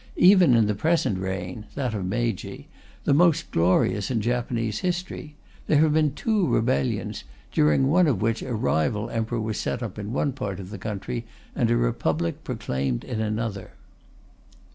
Even in the present reign (that of Meiji) the most glorious in Japanese history there have been two rebellions, during one of which a rival Emperor was set up in one part of the country, and a Republic proclaimed in another.